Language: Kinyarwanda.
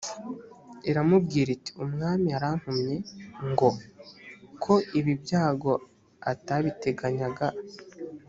iramubwira iti umwami arantumye ngo ko ibi byago atabiteganyaga